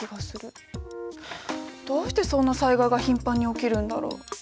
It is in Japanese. どうしてそんな災害が頻繁に起きるんだろう。